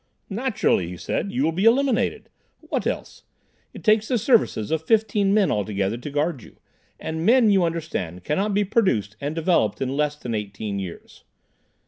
"Naturally," he said, "you will be eliminated. What else? It takes the services of fifteen men altogether, to guard you; and men, you understand, cannot be produced and developed in less than eighteen years."